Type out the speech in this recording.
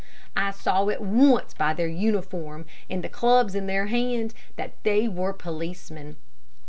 I saw at once by their uniform and the clubs in their hands, that they were policemen.